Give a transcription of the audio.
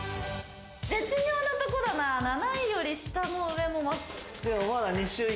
絶妙なところだな、７位より下も上も。